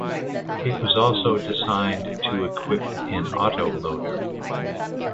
It was also designed to equip an autoloader.